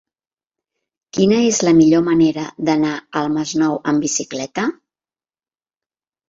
Quina és la millor manera d'anar al Masnou amb bicicleta?